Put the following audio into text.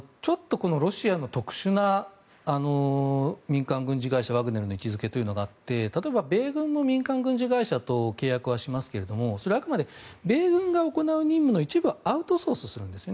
ロシアの特殊な民間軍事会社ワグネルの位置づけというのがあって例えば、米軍の民間軍事会社と契約はしますがそれはあくまで米軍が行う任務を行っているんです。